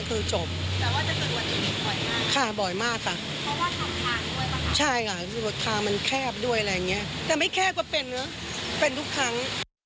แต่ไม่แคบกว่าเป็นหรือเป็นทุกครั้ง